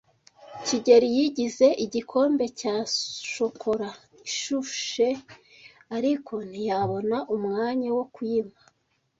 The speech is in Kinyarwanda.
kigeli yigize igikombe cya shokora ishushe, ariko ntiyabona umwanya wo kuyinywa.